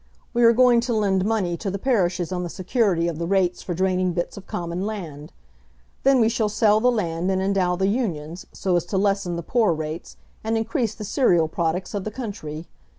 We are going to lend money to the parishes on the security of the rates for draining bits of common land. Then we shall sell the land and endow the unions, so as to lessen the poor rates, and increase the cereal products of the country.